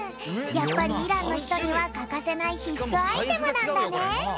やっぱりイランのひとにはかかせないひっすアイテムなんだね。